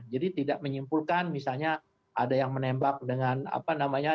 jadi tidak menyimpulkan misalnya ada yang menembak dengan apa namanya